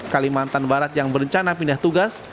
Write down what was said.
kalimantan barat yang berencana pindah tugas